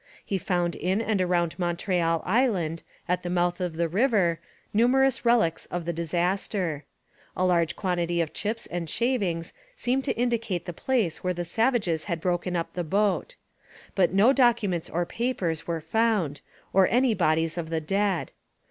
He found in and around Montreal Island, at the mouth of the river, numerous relics of the disaster. A large quantity of chips and shavings seemed to indicate the place where the savages had broken up the boat. But no documents or papers were found nor any bodies of the dead.